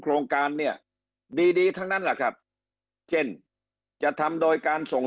โครงการเนี่ยดีดีทั้งนั้นแหละครับเช่นจะทำโดยการส่ง